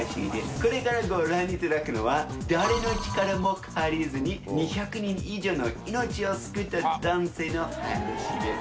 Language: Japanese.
これからご覧いただくのは、誰の力も借りずに２００人以上の命を救った男性の話です。